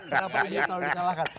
kenapa iblis selalu disalahkan